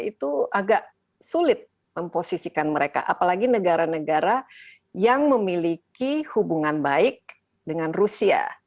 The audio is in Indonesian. itu agak sulit memposisikan mereka apalagi negara negara yang memiliki hubungan baik dengan rusia